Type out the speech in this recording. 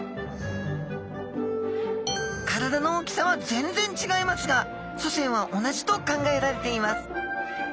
体の大きさは全然違いますが祖先は同じと考えられています。